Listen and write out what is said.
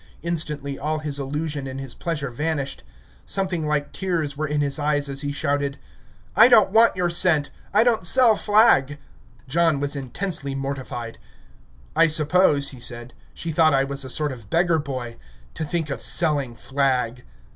Instantly all his illusion and his pleasure vanished. Something like tears were in his eyes as he shouted: "I don't want your cent. I don't sell flag!" John was intensely mortified. "I suppose," he said, "she thought I was a sort of beggar boy. To think of selling flag!"